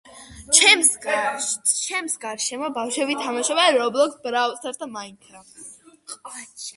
ჩემს გარშემო ბავშვები თამაშობენ რობერტშტრაუსას და მაინკრაფტს.